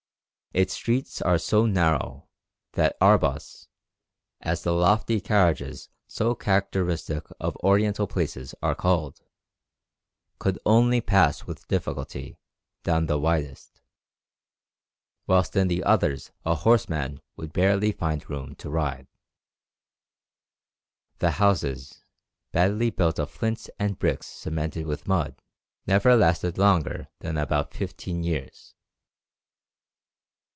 Its streets are so narrow, that 'arbas,' as the lofty carriages so characteristic of Oriental places are called, could only pass with difficulty down the widest, whilst in the others a horseman would barely find room to ride. The houses, badly built of flints and bricks cemented with mud, never last longer than about fifteen years."